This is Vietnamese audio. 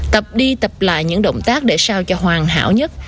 tập đi tập lại những động tác để sao cho hoàng hảo nhất